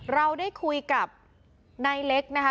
เราได้คุยกับนายเล็กนะคะ